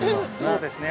◆そうですね。